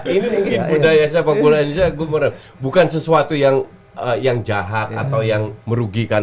ini mungkin budaya sepak bola indonesia gubernur bukan sesuatu yang yang jahat atau yang merugikan